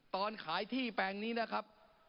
ตอนขายที่แปลงนี้นะครับ